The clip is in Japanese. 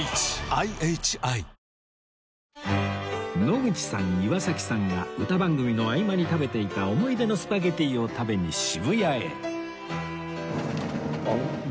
野口さん岩崎さんが歌番組の合間に食べていた思い出のスパゲティを食べに渋谷へ